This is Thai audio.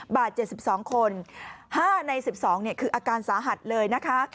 ๗๒คน๕ใน๑๒คืออาการสาหัสเลยนะคะ